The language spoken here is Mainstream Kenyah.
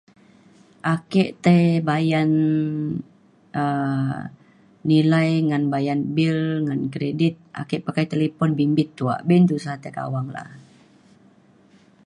ake tai bayan um nilai ngan bayan bil ngan kredit ake pakai talipon bimbit tuak. be’un tusa tai ka awang la’a.